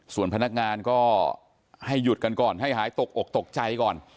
ส่วนพนักงานก็ให้หายตกอกตกใจก่อน